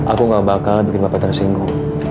aku gak bakal bikin bapak tersinggung